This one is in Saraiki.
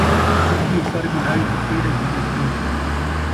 رکھی کر ٻلھائی تے پیڑے گھنے ترن٘ڈ